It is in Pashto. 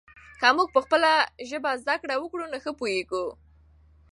که موږ په خپله ژبه زده کړه وکړو نو ښه پوهېږو.